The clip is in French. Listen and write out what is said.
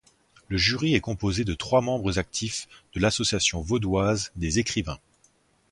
Le jury est composé de trois membres actifs de l’Association vaudoise des écrivains.